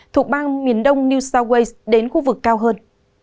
thuộc bang miền đông new south wales đến khu vực cao hơn